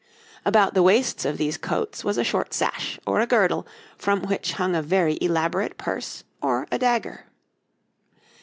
About the waists of these coats was a short sash, or a girdle, from which hung a very elaborate purse, or a dagger.